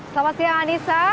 selamat siang anissa